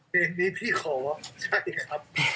เพลงนี้พี่ขอว่าใช่ครับ